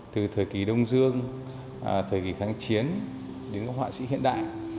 từ thời kỳ đông dương thời kỳ kháng chiến đến các họa sĩ hiện đại